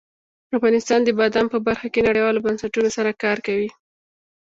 افغانستان د بادام په برخه کې نړیوالو بنسټونو سره کار کوي.